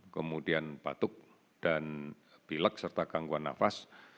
kemudian batuk dan pilek serta gangguan nafas